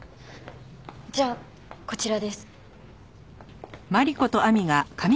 じゃあこちらです。